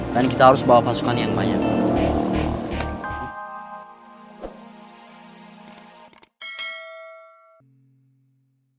dan kita harus bawa pasukan yang banyak